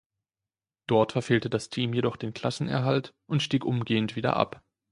Dort verfehlte das Team jedoch den Klassenerhalt und stieg umgehend wieder ab.